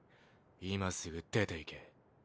今すぐ出ていけ。